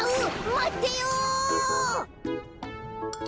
まってよ。